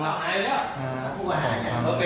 ลักษณ์มากกว่า